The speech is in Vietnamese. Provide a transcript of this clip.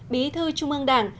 bí thư trung ương đảng